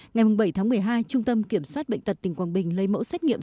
ngày bảy tháng một mươi hai trung tâm kiểm soát bệnh tật tỉnh quảng bình lấy mẫu xét nghiệm